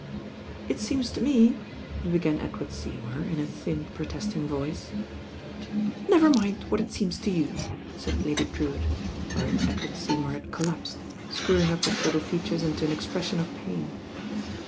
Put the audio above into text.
"It seems to me " began Edward Seymour, in a thin, protesting voice, "Never mind what it seems to you," said Lady Drewitt, whereat Edward Seymour had collapsed, screwing up his little features into an ejcpression of pain.